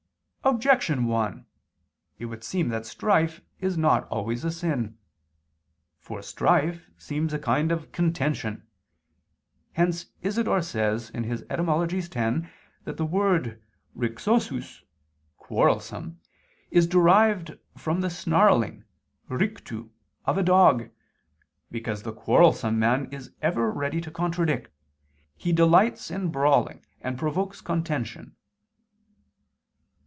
Objection 1: It would seem that strife is not always a sin. For strife seems a kind of contention: hence Isidore says (Etym. x) that the word "rixosus [quarrelsome] is derived from the snarling [rictu] of a dog, because the quarrelsome man is ever ready to contradict; he delights in brawling, and provokes contention."